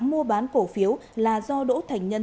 mua bán cổ phiếu là do đỗ thành nhân